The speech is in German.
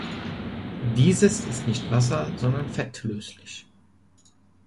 Dieses ist nicht wasser-, sondern fettlöslich.